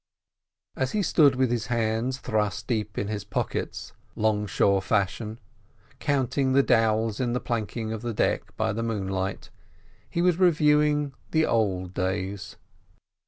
As he stood with his hands thrust deep in his pockets, longshore fashion, counting the dowels in the planking of the deck by the moonlight, he was reviewing the "old days."